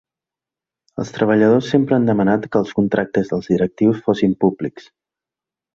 Els treballadors sempre han demanat que els contractes dels directius fossin públics.